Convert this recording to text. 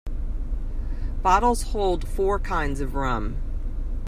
Bottles hold four kinds of rum.